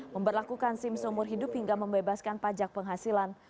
memperlakukan sims umur hidup hingga membebaskan pajak penghasilan